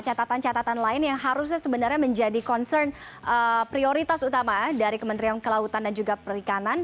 catatan catatan lain yang harusnya sebenarnya menjadi concern prioritas utama dari kementerian kelautan dan juga perikanan